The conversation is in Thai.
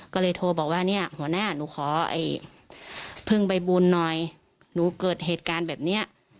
ก็เลยโทรบอกว่าเนี่ยหัวหน้าหนูขอเพิ่งไปบุญหน่อยหนูเกิดเหตุการณ์แบบนี้